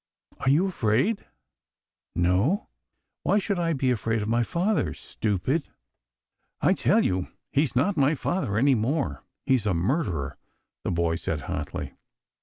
" Are you afraid ?"" No, why should I be afraid of my father, stupid ?"" I tell you he's not father any more. He's a murderer," the boy said hotly.